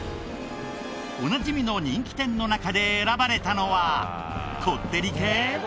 おなじみの人気店の中で選ばれたのはこってり系？